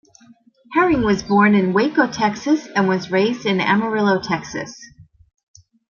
Herring was born in Waco, Texas and was raised in Amarillo, Texas.